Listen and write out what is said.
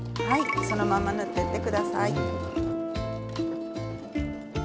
はいそのまんま縫ってって下さい。